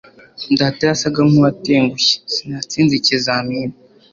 data yasaga nkuwatengushye sinatsinze ikizamini